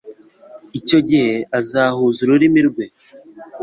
Icyo gihe azahuza ururimi rwe